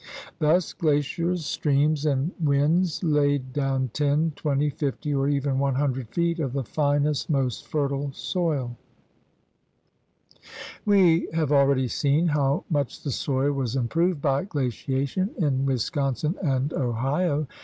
Thus glaciers, streams, and winds laid down ten, twenty, fifty, or even one hundred feet of the finest, most fertile soil. 72 THE RED MAN'S CONTINENT We have already seen how much the soil was improved by glaciation in Wisconsin and Ohio.